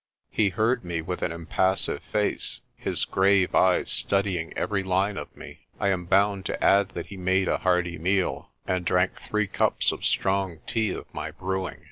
He heard me with an impassive face, his grave eyes study ing every line of me. I am bound to add that he made a hearty meal, and drank three cups of strong tea of my brewing.